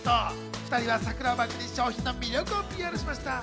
２人は桜をバックに商品の魅力をＰＲしました。